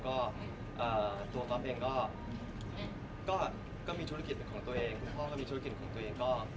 ก็ตัวก๊อฟเองก็มีธุรกิจเป็นของตัวเองคุณพ่อก็มีธุรกิจของตัวเองก็